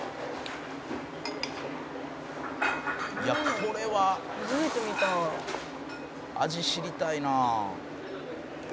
「いやこれは味知りたいな」